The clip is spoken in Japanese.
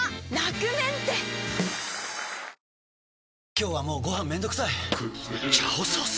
今日はもうご飯めんどくさい「炒ソース」！？